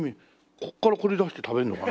ここからこれ出して食べるのかな？